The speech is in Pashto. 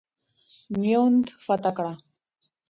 میوند فتح کړه.